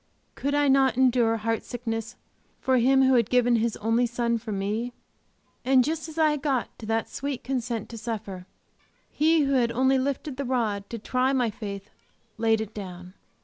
Could I not endure heart sickness for Him who had given His only Son for me! And just as I got to that sweet consent to suffer, He who had only lifted the rod to try my faith laid it down.